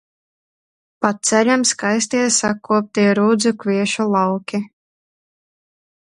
Pa ceļam skaistie, sakoptie rudzu, kviešu lauki.